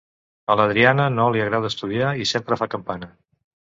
A l'Adriana no li agrada estudiar i sempre fa campana: